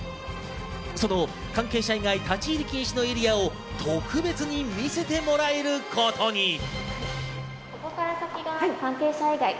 その関係者以外立ち入り禁止のエリアを特別に見せてもらえることに。